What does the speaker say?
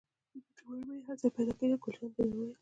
چې مرمۍ یې هر ځای پيدا کېدې، ګل جانې ته مې وویل.